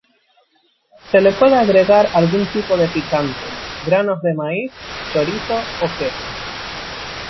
Se le puede agregar algún tipo de picante, granos de maíz, chorizo o queso.